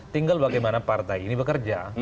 tinggal bagaimana partai ini bekerja